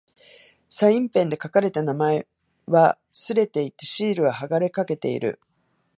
サインペンで書かれた名前は掠れていて、シールは剥がれかけている。